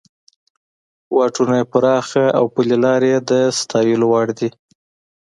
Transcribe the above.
واټونه یې پراخه او پلې لارې یې د ستایلو وړ وې.